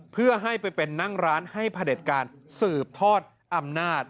เพื่อให้ไปเป็นนั่งร้านให้พระเด็จการสืบทอดอำนาจ